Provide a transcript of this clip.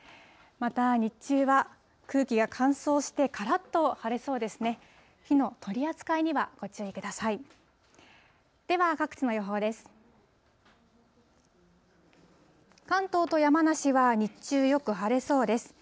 また日中は空気が乾燥して、からっと晴れそうですね。